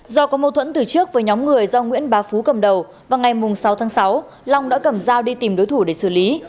do có mâu thuẫn từ trước với nhóm người do nguyễn bá phú cầm đầu vào ngày sáu tháng sáu long đã cầm dao đi tìm đối thủ để xử lý